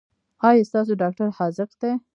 ایا ستاسو ډاکټر حاذق دی؟